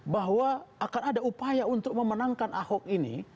bahwa akan ada upaya untuk memenangkan ahok ini